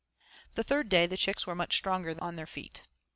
II The third day the chicks were much stronger on their feet.